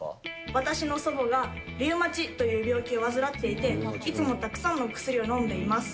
私の祖母がリウマチという病気を患っていて、いつもたくさんの薬を飲んでいます。